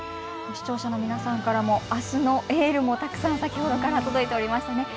視聴者の皆さんからもあすのエールもたくさん先ほどから届いております。